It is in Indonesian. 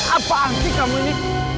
apaan sih kamu ini